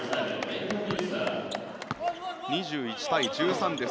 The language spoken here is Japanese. ２１対１３です。